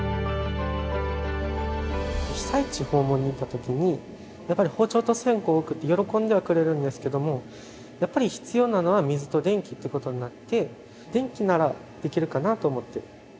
被災地訪問に行った時にやっぱり包丁と線香をおくって喜んではくれるんですけどもやっぱり必要なのは水と電気ってことになって電気ならできるかなと思って。